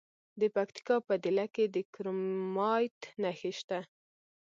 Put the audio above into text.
د پکتیکا په دیله کې د کرومایټ نښې شته.